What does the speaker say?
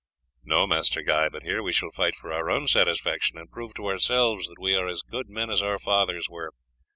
"No, Master Guy; but here we shall fight for our own satisfaction, and prove to ourselves that we are as good men as our fathers were.